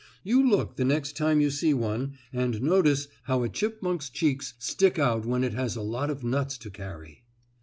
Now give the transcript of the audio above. You look the next time you see one, and notice how a chipmunk's cheeks stick out when it has a lot of nuts to carry.